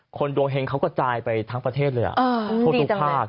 คนดวงเห็นเขากระจายเป็นทั้งประเทศเลยทุกภาพ